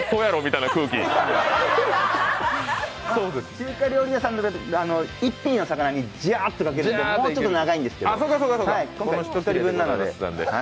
中華料理屋さんの１品の魚にかけるともうちょっと長いんですけど、今回１人分なので。